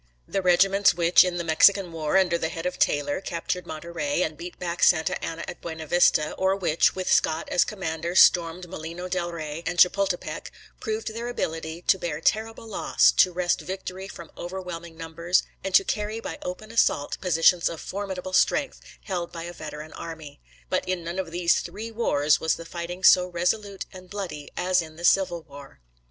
The regiments which, in the Mexican war, under the lead of Taylor, captured Monterey, and beat back Santa Anna at Buena Vista, or which, with Scott as commander, stormed Molino Del Rey and Chapultepec, proved their ability to bear terrible loss, to wrest victory from overwhelming numbers, and to carry by open assault positions of formidable strength held by a veteran army. But in none of these three wars was the fighting so resolute and bloody as in the Civil War.